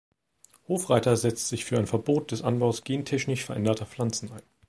Hofreiter setzt sich für ein Verbot des Anbaus gentechnisch veränderter Pflanzen ein.